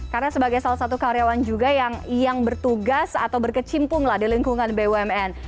karena sebagai salah satu karyawan juga yang bertugas atau berkecimpung di lingkungan bumn